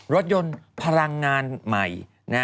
รถยนต์พลังงานใหม่